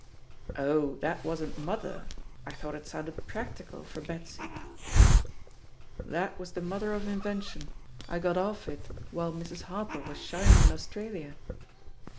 "Oh, that wasn't 'mother'? I thought it iBounded practical for Betsy I" "That was the mother of invention — I got off it while Mrs. Harper was shining in Australia."